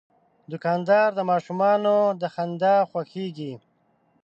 دوکاندار د ماشومانو د خندا خوښیږي.